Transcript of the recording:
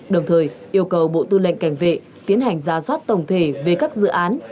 đồng thời yêu cầu bộ tư lệnh cảnh vệ tiến hành ra soát tổng thể về các dự án